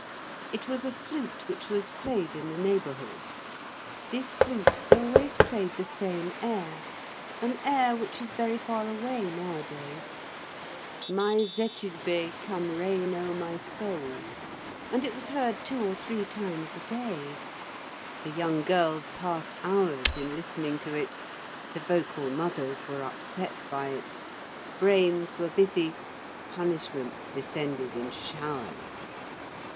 It was a flute which was played in the neighborhood. This flute always played the same air, an air which is very far away nowadays,—"My Zétulbé, come reign o'er my soul,"—and it was heard two or three times a day. The young girls passed hours in listening to it, the vocal mothers were upset by it, brains were busy, punishments descended in showers.